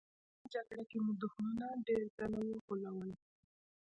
په دویمه جګړه کې مې دښمنان ډېر ځله وغولول